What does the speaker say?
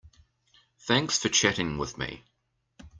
Thanks for chatting with me.